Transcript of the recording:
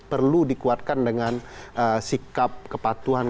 perlu dikuatkan dengan sikap kepatuhan